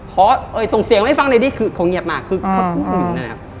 ขอส่งเสียงไว้ฟังหน่อยดิคงเงียบมากคือคนอื่นนะครับ